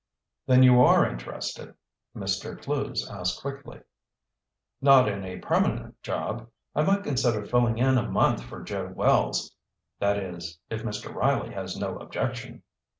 "Then you are interested?" Mr. Clewes asked quickly. "Not in a permanent job. I might consider filling in a month for Joe Wells. That is, if Mr. Riley has no objection."